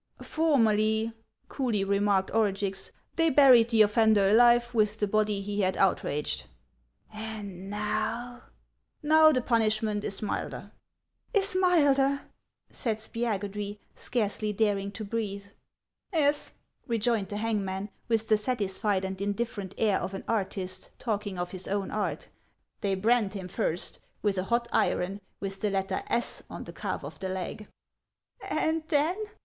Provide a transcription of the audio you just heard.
" Formerly," coolly remarked Orugix, " they buried the offender alive, with the body he had outraged." " And now ?"" Now the punishment is milder." 164 HANS OF ICELAND. " Is milder !" said Spiagudry, scarcely daring to breathe. "Yes," rejoined the hangman, with the satisfied and indifferent air of an artist talking of his own art ;" they brand him first, with a hot iron, with the letter S, on the calf of the leg." "And then?"